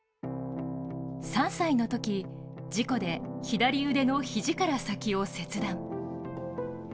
３歳のとき、事故で左腕の肘から先を切断。